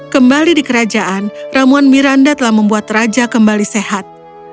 kembali di kerajaan ramuan miranda telah membuat raja kembali sehat